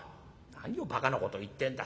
「何をばかなこと言ってんだ。